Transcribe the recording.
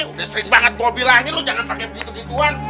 udah sering banget bawa bilangnya lo jangan pake gitu gituan